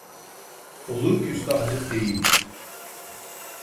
Olur küstahlık değil…